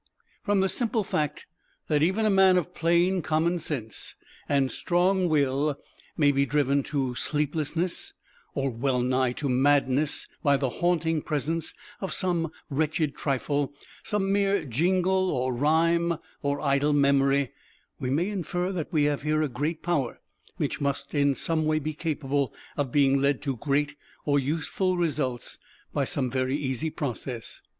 From the simple fact that even a man of plain common sense and strong will may be driven to sleeplessness, or well nigh to madness, by the haunting presence of some wretched trifle, some mere jingle or rhyme, or idle memory, we may infer that we have here a great power which must in some way be capable of being led to great or useful results by some very easy process.